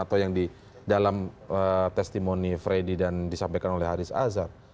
atau yang di dalam testimoni freddy dan disampaikan oleh haris azhar